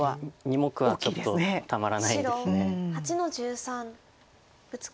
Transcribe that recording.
２目はちょっとたまらないです。